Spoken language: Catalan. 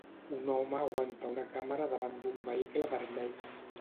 Un home aguanta una càmera davant d'un vehicle vermell.